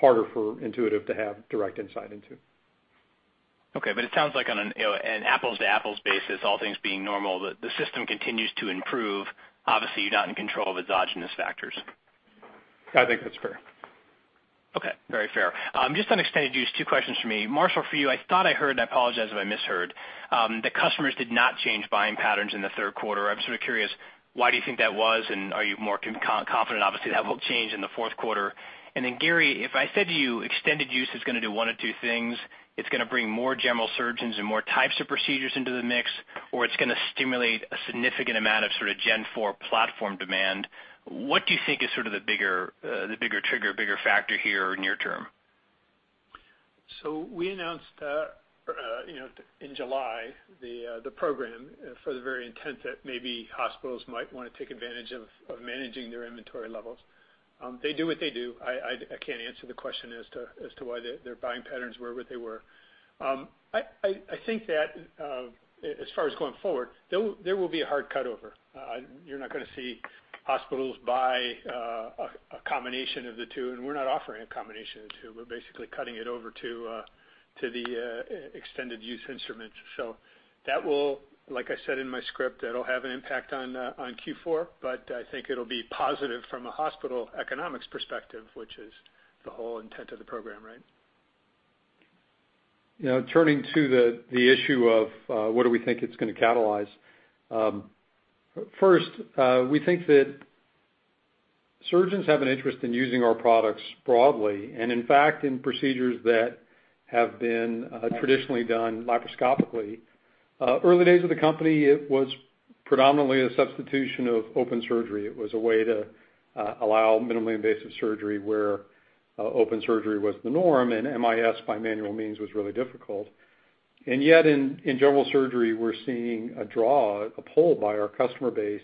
harder for Intuitive to have direct insight into. Okay. It sounds like on an apples-to-apples basis, all things being normal, the system continues to improve. Obviously, you're not in control of exogenous factors. I think that's fair. Okay. Very fair. Just on extended use, two questions for me. Marshall, for you, I thought I heard, and I apologize if I misheard, that customers did not change buying patterns in the third quarter. I am sort of curious, why do you think that was? Are you more confident, obviously, that will change in the fourth quarter? Gary, if I said to you extended use is going to do one of two things, it is going to bring more general surgeons and more types of procedures into the mix, or it is going to stimulate a significant amount of Gen 4 platform demand. What do you think is the bigger trigger, bigger factor here near term? We announced in July the program for the very intent that maybe hospitals might want to take advantage of managing their inventory levels. They do what they do. I can't answer the question as to why their buying patterns were what they were. I think that as far as going forward, there will be a hard cut over. You're not going to see hospitals buy a combination of the two, and we're not offering a combination of the two. We're basically cutting it over to the extended use instrument. That will, like I said in my script, that'll have an impact on Q4, but I think it'll be positive from a hospital economics perspective, which is the whole intent of the program, right? Turning to the issue of what do we think it's going to catalyze. First, we think that surgeons have an interest in using our products broadly, and in fact, in procedures that have been traditionally done laparoscopically. Early days of the company, it was predominantly a substitution of open surgery. It was a way to allow minimally invasive surgery where open surgery was the norm, and MIS by manual means was really difficult. Yet in general surgery, we're seeing a draw, a pull by our customer base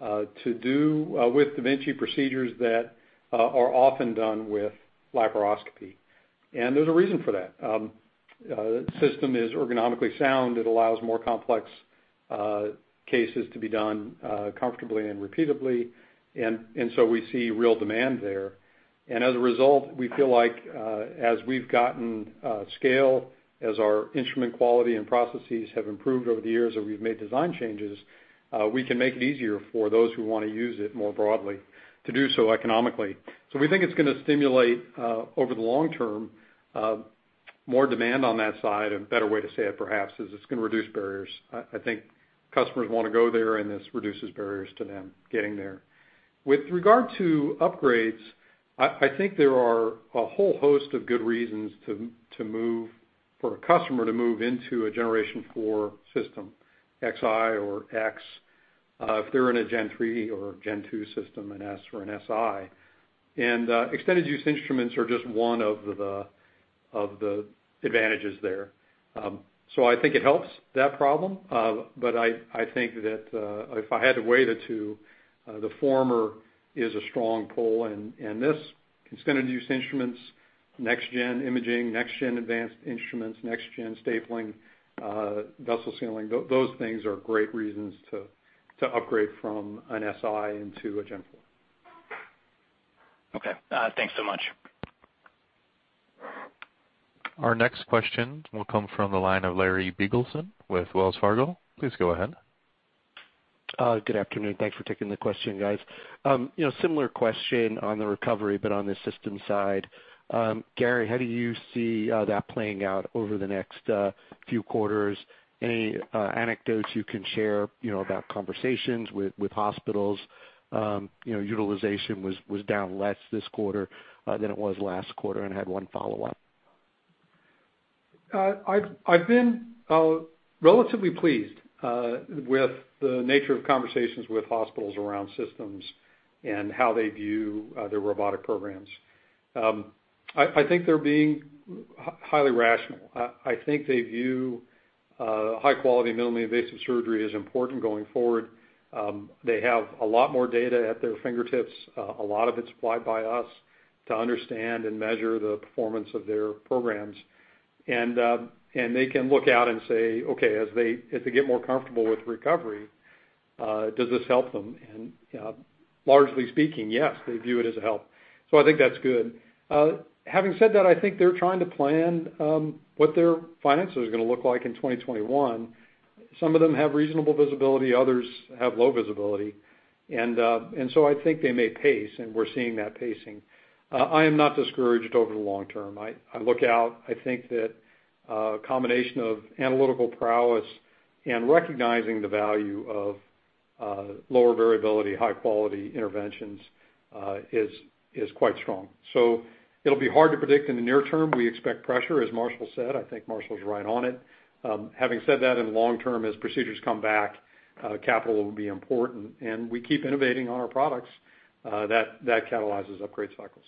to do with da Vinci procedures that are often done with laparoscopy. There's a reason for that. The system is ergonomically sound. It allows more complex cases to be done comfortably and repeatably, and so we see real demand there. As a result, we feel like as we've gotten scale, as our instrument quality and processes have improved over the years, or we've made design changes, we can make it easier for those who want to use it more broadly to do so economically. We think it's going to stimulate over the long term, more demand on that side. A better way to say it, perhaps, is it's going to reduce barriers. I think customers want to go there, and this reduces barriers to them getting there. With regard to upgrades, I think there are a whole host of good reasons for a customer to move into a Generation 4 system, Xi or X, if they're in a Gen 3 or Gen 2 system, an S or an Si. Extended use instruments are just one of the advantages there. I think it helps that problem. I think that if I had to weigh the two, the former is a strong pull, and this extended use instruments, next-gen imaging, next-gen advanced instruments, next-gen stapling, vessel sealing, those things are great reasons to upgrade from an Si into a Gen. Okay. Thanks so much. Our next question will come from the line of Larry Biegelsen with Wells Fargo. Please go ahead. Good afternoon. Thanks for taking the question, guys. Similar question on the recovery, but on the system side. Gary, how do you see that playing out over the next few quarters? Any anecdotes you can share about conversations with hospitals? Utilization was down less this quarter than it was last quarter, and I had one follow-up. I've been relatively pleased with the nature of conversations with hospitals around systems and how they view their robotic programs. I think they're being highly rational. I think they view high-quality, minimally invasive surgery as important going forward. They have a lot more data at their fingertips, a lot of it's supplied by us, to understand and measure the performance of their programs. They can look out and say, okay, as they get more comfortable with recovery, does this help them? Largely speaking, yes, they view it as a help. I think that's good. Having said that, I think they're trying to plan what their finances are going to look like in 2021. Some of them have reasonable visibility, others have low visibility. I think they may pace, and we're seeing that pacing. I am not discouraged over the long term. I look out, I think that a combination of analytical prowess and recognizing the value of lower variability, high-quality interventions is quite strong. It'll be hard to predict in the near term. We expect pressure, as Marshall said. I think Marshall's right on it. Having said that, in the long term, as procedures come back, capital will be important, and we keep innovating on our products. That catalyzes upgrade cycles.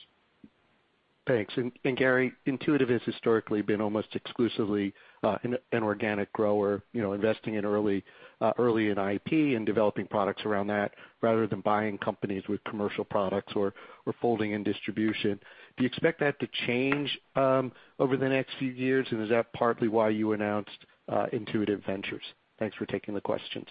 Thanks. Gary, Intuitive has historically been almost exclusively an organic grower, investing early in IP and developing products around that rather than buying companies with commercial products or folding in distribution. Do you expect that to change over the next few years, and is that partly why you announced Intuitive Ventures? Thanks for taking the questions.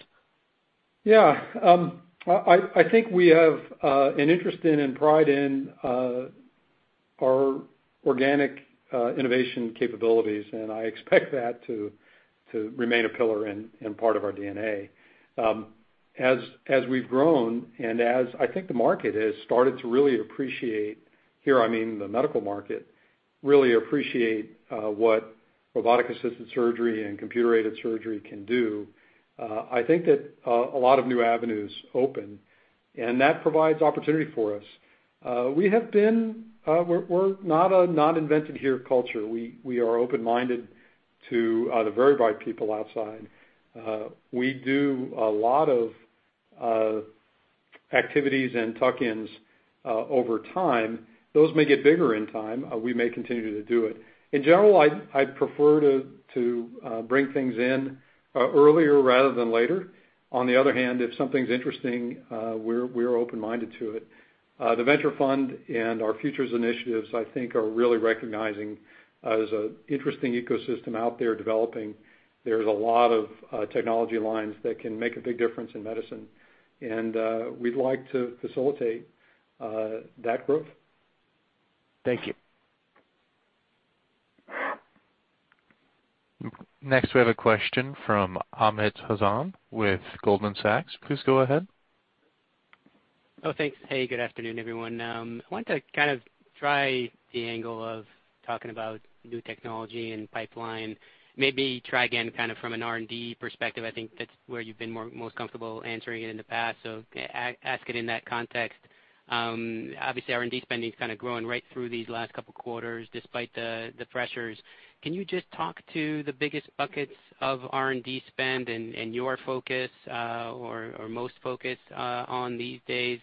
Yeah. I think we have an interest in and pride in our organic innovation capabilities, and I expect that to remain a pillar and part of our DNA. As we've grown and as I think the market has started to really appreciate, here I mean the medical market, really appreciate what robotic-assisted surgery and computer-aided surgery can do, I think that a lot of new avenues open, and that provides opportunity for us. We're not a not invented here culture. We are open-minded to the very bright people outside. We do a lot of activities and tuck-ins over time. Those may get bigger in time. We may continue to do it. In general, I'd prefer to bring things in earlier rather than later. On the other hand, if something's interesting, we're open-minded to it. The venture fund and our Futures initiatives, I think, are really recognizing there's an interesting ecosystem out there developing. There's a lot of technology lines that can make a big difference in medicine, we'd like to facilitate that growth. Thank you. Next we have a question from Amit Hazan with Goldman Sachs. Please go ahead. Oh, thanks. Hey, good afternoon, everyone. I wanted to try the angle of talking about new technology and pipeline. Maybe try again from an R&D perspective. I think that's where you've been most comfortable answering it in the past, so ask it in that context. Obviously, R&D spending's grown right through these last couple of quarters despite the pressures. Can you just talk to the biggest buckets of R&D spend and your focus, or most focus on these days,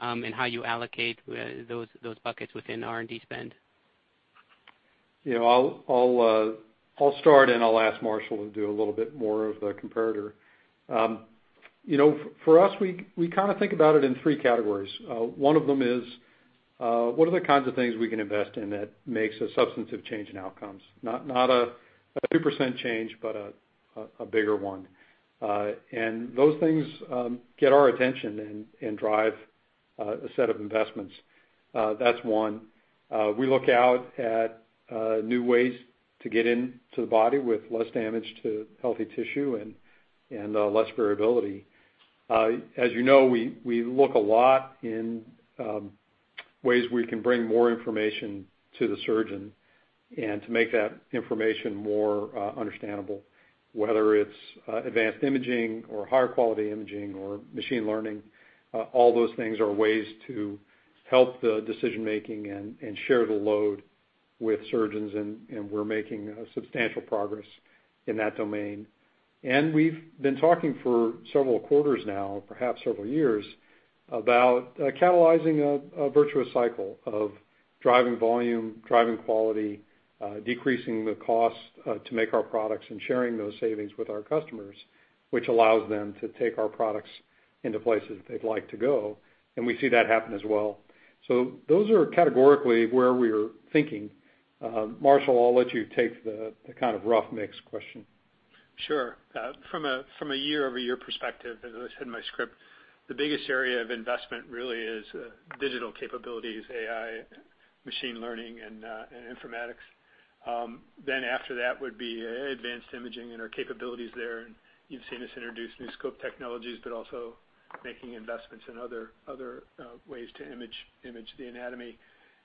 and how you allocate those buckets within R&D spend? I'll start, and I'll ask Marshall to do a little bit more of the comparator. For us, we think about it in three categories. One of them is, what are the kinds of things we can invest in that makes a substantive change in outcomes? Not a 2% change, but a bigger one. Those things get our attention and drive a set of investments. That's one. We look out at new ways to get into the body with less damage to healthy tissue and less variability. As you know, we look a lot in ways we can bring more information to the surgeon and to make that information more understandable, whether it's advanced imaging or higher quality imaging or machine learning. All those things are ways to help the decision-making and share the load with surgeons, and we're making substantial progress in that domain. We've been talking for several quarters now, perhaps several years, about catalyzing a virtuous cycle of driving volume, driving quality, decreasing the cost to make our products, and sharing those savings with our customers, which allows them to take our products into places they'd like to go. We see that happen as well. Those are categorically where we're thinking. Marshall, I'll let you take the rough mix question. Sure. From a year-over-year perspective, as I said in my script. The biggest area of investment really is digital capabilities, AI, machine learning, and informatics. After that would be advanced imaging and our capabilities there. You've seen us introduce new scope technologies, but also making investments in other ways to image the anatomy.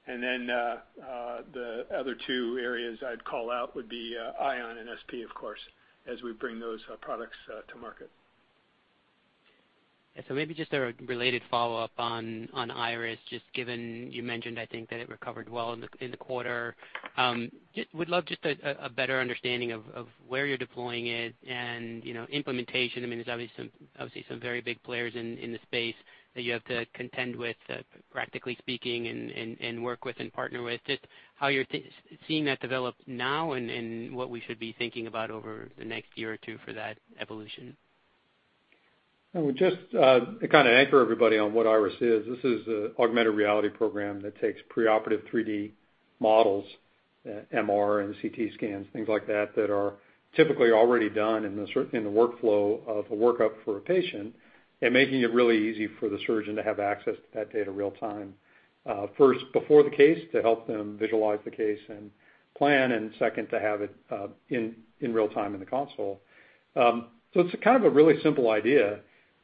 The other two areas I'd call out would be Ion and SP, of course, as we bring those products to market. Yeah. Maybe just a related follow-up on IRIS, just given you mentioned, I think, that it recovered well in the quarter. Would love just a better understanding of where you're deploying it and implementation. There's obviously some very big players in the space that you have to contend with practically speaking and work with and partner with. Just how you're seeing that develop now and what we should be thinking about over the next year or two for that evolution. Just to kind of anchor everybody on what IRIS is, this is an augmented reality program that takes preoperative 3D models, MR and CT scans, things like that are typically already done in the workflow of a workup for a patient, and making it really easy for the surgeon to have access to that data real time. First, before the case, to help them visualize the case and plan. Second, to have it in real time in the console. It's a really simple idea.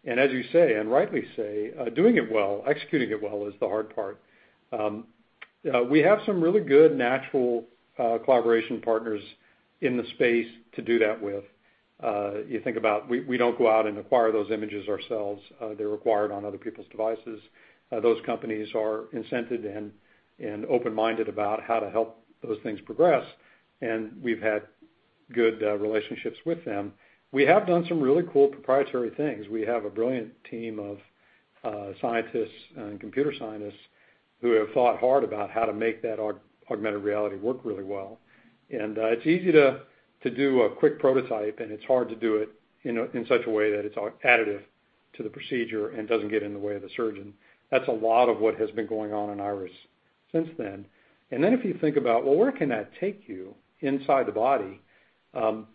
As you say, and rightly say, doing it well, executing it well is the hard part. We have some really good natural collaboration partners in the space to do that with. We don't go out and acquire those images ourselves. They're required on other people's devices. Those companies are incented and open-minded about how to help those things progress, and we've had good relationships with them. We have done some really cool proprietary things. We have a brilliant team of scientists and computer scientists who have thought hard about how to make that augmented reality work really well. It's easy to do a quick prototype, and it's hard to do it in such a way that it's additive to the procedure and doesn't get in the way of the surgeon. That's a lot of what has been going on in IRIS since then. If you think about, well, where can that take you inside the body? It's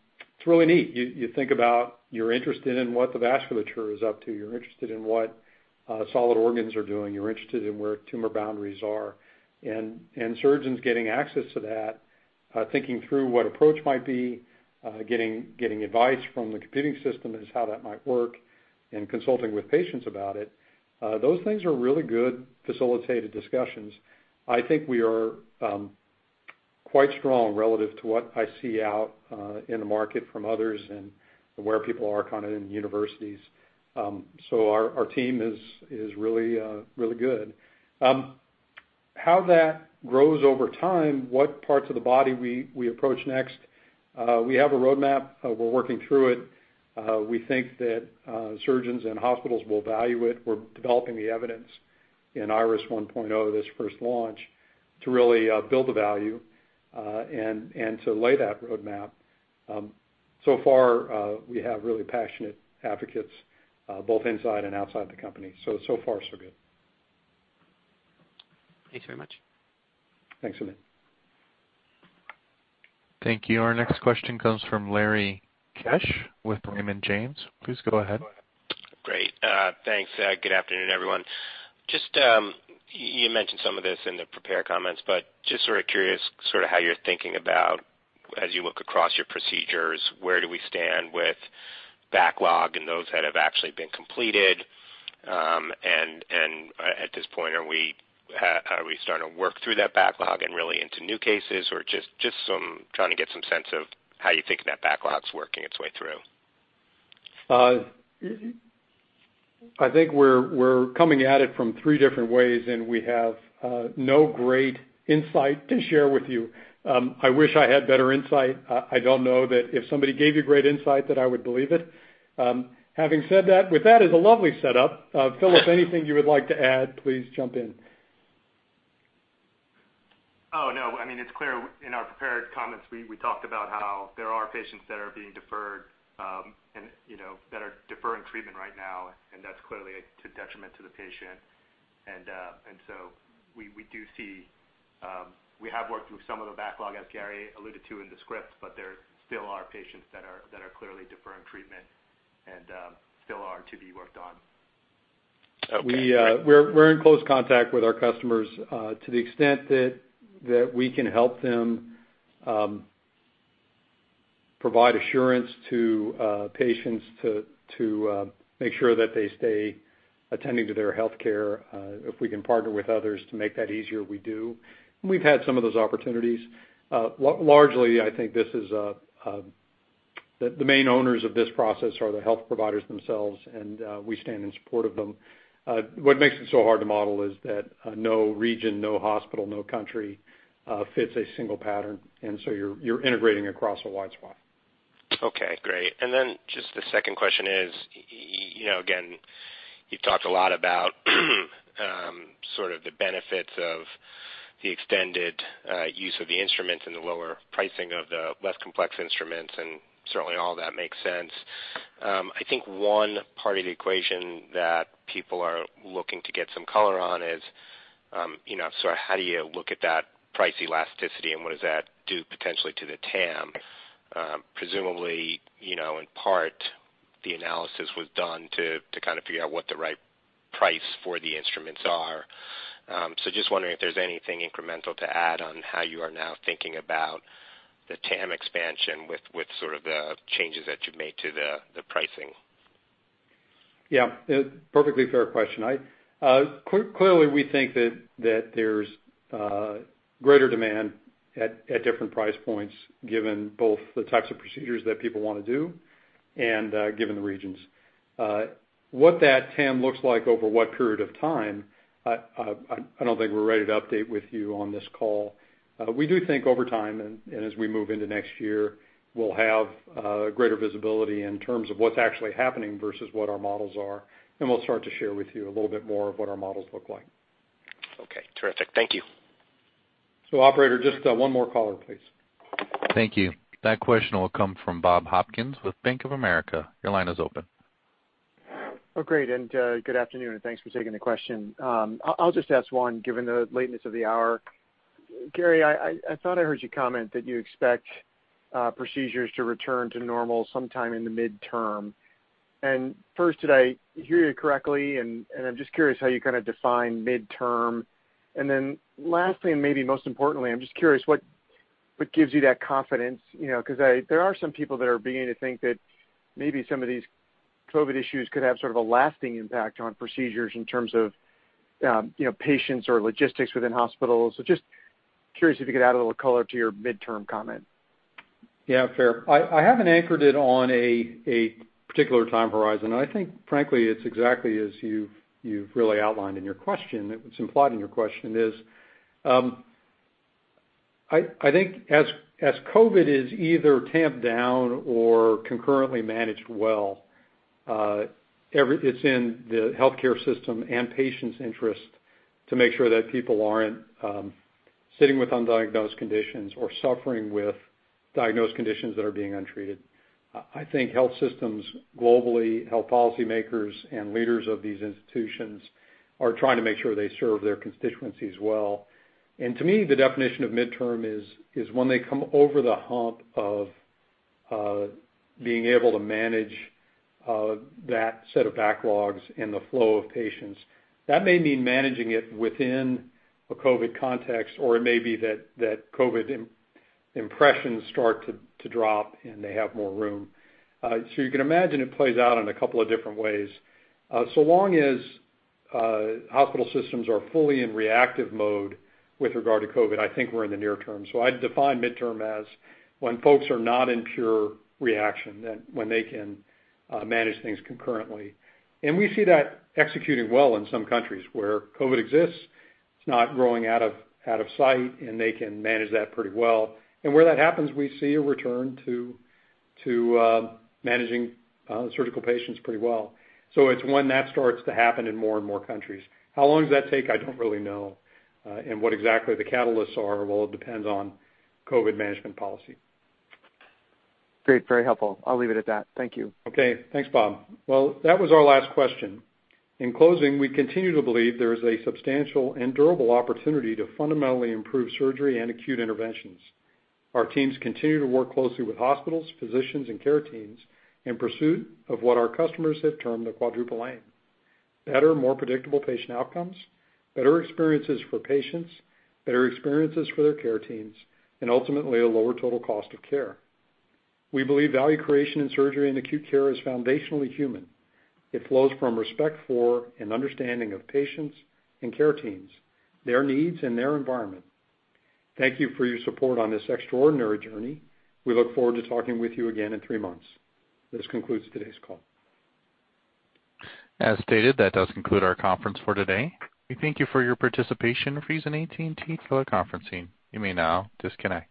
really neat. You think about you're interested in what the vasculature is up to. You're interested in what solid organs are doing. You're interested in where tumor boundaries are. Surgeons getting access to that, thinking through what approach might be, getting advice from the computing system as to how that might work, and consulting with patients about it, those things are really good facilitated discussions. I think we are quite strong relative to what I see out in the market from others and where people are in universities. Our team is really good. How that grows over time, what parts of the body we approach next, we have a roadmap. We're working through it. We think that surgeons and hospitals will value it. We're developing the evidence in IRIS 1.0, this first launch, to really build the value and to lay that roadmap. Far, we have really passionate advocates both inside and outside the company. So far so good. Thanks very much. Thanks, Amit. Thank you. Our next question comes from Larry Keusch with Raymond James. Please go ahead. Great. Thanks. Good afternoon, everyone. Just, you mentioned some of this in the prepared comments, just sort of curious how you're thinking about as you look across your procedures, where do we stand with backlog and those that have actually been completed? At this point, are we starting to work through that backlog and really into new cases? Just trying to get some sense of how you think that backlog's working its way through. I think we're coming at it from three different ways. We have no great insight to share with you. I wish I had better insight. I don't know that if somebody gave you great insight, that I would believe it. Having said that, with that as a lovely setup, Philip, anything you would like to add, please jump in. Oh, no. It's clear in our prepared comments, we talked about how there are patients that are being deferred and that are deferring treatment right now, and that's clearly to detriment to the patient. We have worked through some of the backlog, as Gary alluded to in the script, there still are patients that are clearly deferring treatment and still are to be worked on. Okay. We're in close contact with our customers to the extent that we can help them provide assurance to patients to make sure that they stay attending to their healthcare. If we can partner with others to make that easier, we do. We've had some of those opportunities. Largely, I think the main owners of this process are the health providers themselves, and we stand in support of them. What makes it so hard to model is that no region, no hospital, no country fits a single pattern. You're integrating across a wide swath. Okay. Great. Then just the second question is, again, you've talked a lot about sort of the benefits of the extended use of the instruments and the lower pricing of the less complex instruments, and certainly all of that makes sense. I think one part of the equation that people are looking to get some color on is how do you look at that price elasticity and what does that do potentially to the TAM? Presumably, in part, the analysis was done to figure out what the right price for the instruments are. Just wondering if there's anything incremental to add on how you are now thinking about the TAM expansion with the changes that you've made to the pricing. Yeah. Perfectly fair question. Clearly, we think that there's greater demand at different price points, given both the types of procedures that people want to do and given the regions. What that TAM looks like over what period of time, I don't think we're ready to update with you on this call. We do think over time, and as we move into next year, we'll have greater visibility in terms of what's actually happening versus what our models are, and we'll start to share with you a little bit more of what our models look like. Okay, terrific. Thank you. Operator, just one more caller, please. Thank you. That question will come from Bob Hopkins with Bank of America. Your line is open. Oh, great, good afternoon, and thanks for taking the question. I'll just ask one, given the lateness of the hour. Gary, I thought I heard you comment that you expect procedures to return to normal sometime in the midterm. First, did I hear you correctly? I'm just curious how you define midterm. Lastly, and maybe most importantly, I'm just curious what gives you that confidence? Because there are some people that are beginning to think that maybe some of these COVID-19 issues could have sort of a lasting impact on procedures in terms of patients or logistics within hospitals. Just curious if you could add a little color to your midterm comment. Yeah, fair. I haven't anchored it on a particular time horizon. I think frankly, it's exactly as you've really outlined in your question, that was implied in your question is, I think as COVID is either tamped down or concurrently managed well, it's in the healthcare system and patients' interest to make sure that people aren't sitting with undiagnosed conditions or suffering with diagnosed conditions that are being untreated. I think health systems globally, health policymakers, and leaders of these institutions are trying to make sure they serve their constituencies well. To me, the definition of midterm is when they come over the hump of being able to manage that set of backlogs and the flow of patients. That may mean managing it within a COVID context, or it may be that COVID impressions start to drop, and they have more room. You can imagine it plays out in a couple of different ways. So long as hospital systems are fully in reactive mode with regard to COVID-19, I think we're in the near term. I'd define midterm as when folks are not in pure reaction, when they can manage things concurrently. We see that executing well in some countries where COVID-19 exists. It's not growing out of sight, and they can manage that pretty well. Where that happens, we see a return to managing surgical patients pretty well. It's when that starts to happen in more and more countries. How long does that take? I don't really know. What exactly the catalysts are? Well, it depends on COVID-19 management policy. Great. Very helpful. I'll leave it at that. Thank you. Okay. Thanks, Bob. Well, that was our last question. In closing, we continue to believe there is a substantial and durable opportunity to fundamentally improve surgery and acute interventions. Our teams continue to work closely with hospitals, physicians, and care teams in pursuit of what our customers have termed the Quadruple Aim: better, more predictable patient outcomes, better experiences for patients, better experiences for their care teams, and ultimately a lower total cost of care. We believe value creation in surgery and acute care is foundationally human. It flows from respect for and understanding of patients and care teams, their needs, and their environment. Thank you for your support on this extraordinary journey. We look forward to talking with you again in three months. This concludes today's call. As stated, that does conclude our conference for today. We thank you for your participation and for using AT&T for the conferencing. You may now disconnect.